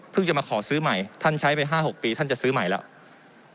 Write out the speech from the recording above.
จะมาขอซื้อใหม่ท่านใช้ไป๕๖ปีท่านจะซื้อใหม่แล้ว